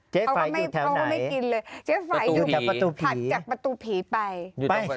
เจ๊ไฟอยู่แถวไหนเจ๊ไฟถัดจากประตูผีไป